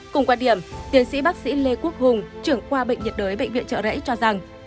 cùng quan điểm tiến sĩ bác sĩ lê quốc hùng trưởng khoa bệnh nhiệt đới bệnh viện trợ rẫy cho rằng